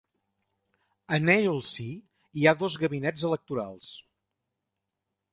A "Nailsea" hi ha dos gabinets electorals.